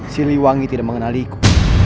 siliwangi tidak mengenaliku